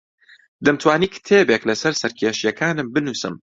دەمتوانی کتێبێک لەسەر سەرکێشییەکانم بنووسم.